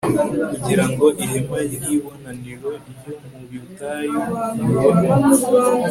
kugira ngo ihema ry'ibonaniro ryo mu butayu ryubakwe